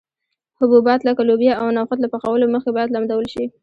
حبوبات لکه لوبیا او نخود له پخولو مخکې باید لمدول شي.